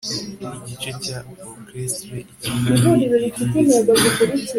igice cya orchestre ikina ni irihe zina